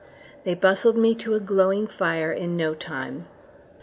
They bustled me to a glowing fire in no time.